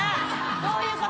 どういうこと⁉